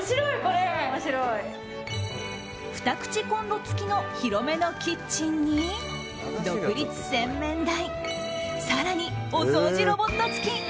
２口コンロ付きの広めのキッチンに独立洗面台更にお掃除ロボット付き。